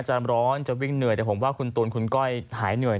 ร้อนจะวิ่งเหนื่อยแต่ผมว่าคุณตูนคุณก้อยหายเหนื่อย